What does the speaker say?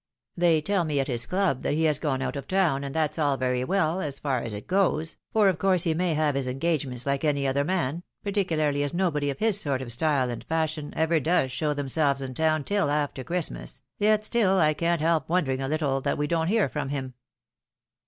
They tell me at his club that he is gone out of town, and that's all very well, aa far as it goes, for of course he may have his engagements like any other man, particularly as nobody of his sort of style and fashion ever does show themselves in town till after Christmas, yet stiU I can't help wondering a little that we don't hear from him."